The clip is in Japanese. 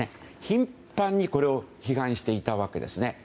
頻繁にこれを批判していたわけです。